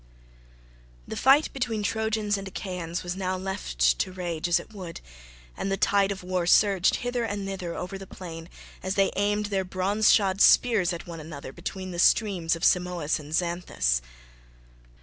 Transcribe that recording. The fight between Trojans and Achaeans was now left to rage as it would, and the tide of war surged hither and thither over the plain as they aimed their bronze shod spears at one another between the streams of Simois and Xanthus.